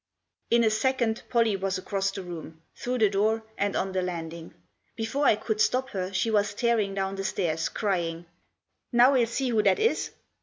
IN a second Pollie was across the room, through the door, and on the landing. Before I could stop her she was tearing down the stairs, crying, " Now we'll see who that is